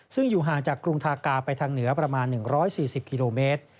ซึ่งอยู่ห่างจากกรุงทากาไปทางเหนือประมาณ๑๔๐กิโลเมตร